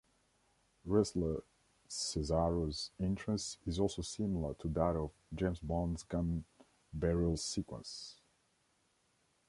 Wrestler "Cesaro"'s entrance is also similar to that of James Bond gun barrel sequence.